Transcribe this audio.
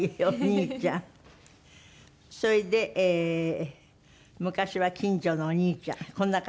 それで昔は近所のお兄ちゃん。